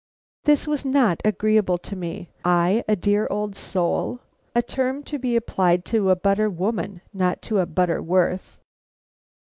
This was not agreeable to me. I a dear old soul! A term to be applied to a butter woman not to a Butterworth.